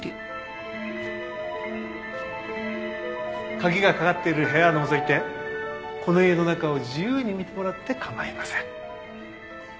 鍵がかかってる部屋を除いてこの家の中を自由に見てもらって構いません